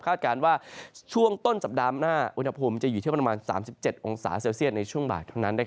การว่าช่วงต้นสัปดาห์หน้าอุณหภูมิจะอยู่ที่ประมาณ๓๗องศาเซลเซียตในช่วงบ่ายเท่านั้น